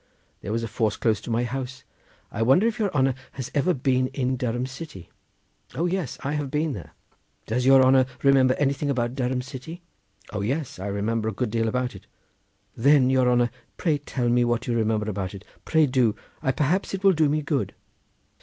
there was a force close to my village. I wonder if your honour has ever been in Durham city." "O yes! I have been there." "Does your honour remember anything about Durham city?" "O yes! I remember a good deal about it." "Then, your honour, pray tell us what you remember about it—pray do! perhaps it will do me good."